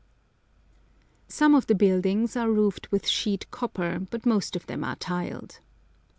Some of the buildings are roofed with sheet copper, but most of them are tiled.